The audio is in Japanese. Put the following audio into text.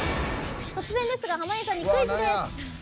突然ですが濱家さんにクイズです。